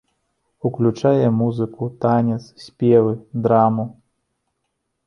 Уключае музыку, танец, спевы, драму.